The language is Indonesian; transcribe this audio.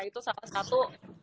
itu salah satu